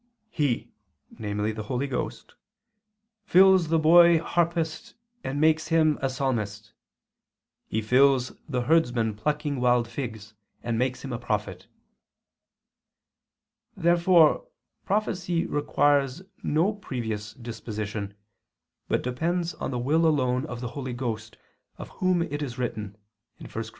"He," namely the Holy Ghost, "fills the boy harpist and makes him a Psalmist; He fills the herdsman plucking wild figs, and makes him a prophet." Therefore prophecy requires no previous disposition, but depends on the will alone of the Holy Ghost, of Whom it is written (1 Cor.